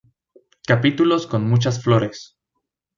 Capítulos con muchas flores.